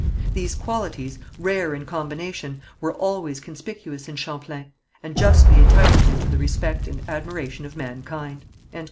These qualities, rare in combination, were always conspicuous in Champlain, and justly entitle him to the respect and admiration of mankind."